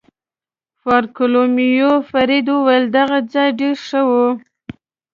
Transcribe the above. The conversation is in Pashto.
فاروقلومیو فرید وویل: دغه ځای ډېر ښه و.